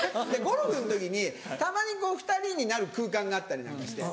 ゴルフの時にたまにこう２人になる空間があったりなんかして。